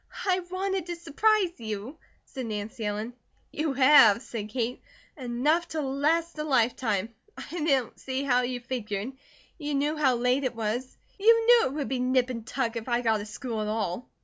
"I wanted to surprise you," said Nancy Ellen. "You have," said Kate. "Enough to last a lifetime. I don't see how you figured. You knew how late it was. You knew it would be nip and tuck if I got a school at all."